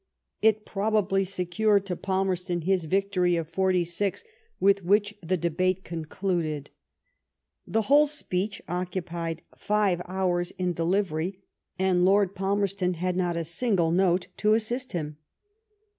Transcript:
It probably secured to Palmerston his victory of forty six, with which the debate con 122 THE STORY OF GLADSTONE'S LIFE eluded. The whole speech occupied five hours in delivery, and Lord Palmerston had not a single note to assist him.